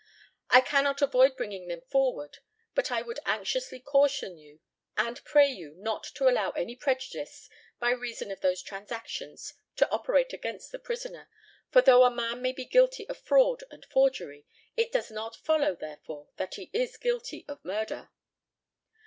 I cannot avoid bringing them forward; but I would anxiously caution you and pray you not to allow any prejudice by reason of those transactions to operate against the prisoner; for, though a man may be guilty of fraud and forgery, it does not follow, therefore, that he is guilty of murder.